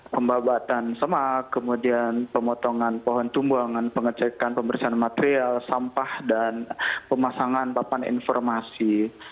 pembabatan semak kemudian pemotongan pohon tumbuhan pengecekan pemberian material sampah dan pemasangan bapan informasi